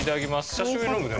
久しぶりに飲むね。